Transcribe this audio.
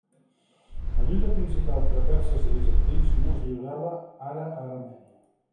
La lluita principal entre perses i bizantins no es lliurava ara a Armènia.